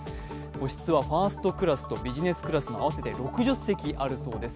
個室はファーストクラスとビジネスクラスの合わせて６０席あるそうです。